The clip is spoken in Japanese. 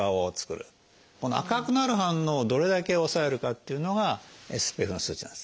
この赤くなる反応をどれだけ抑えるかっていうのがＳＰＦの数値なんです。